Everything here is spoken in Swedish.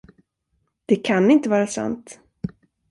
Det kan inte vara sant.